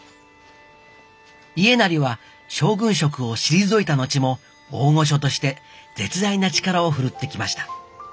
家斉は将軍職を退いた後も大御所として絶大な力を振るってきました。